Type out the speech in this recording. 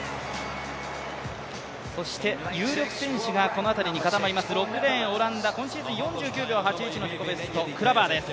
そして有力選手がこの辺りに固まります、６レーンオランダ今シーンズ４９秒８１のベストクラバーです。